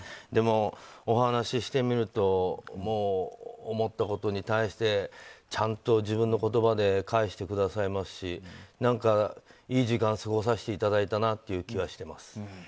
でもお話してみると思ったことに対してちゃんと自分の言葉で返してくださいますしいい時間を過ごさせていただいたなという気がしてます。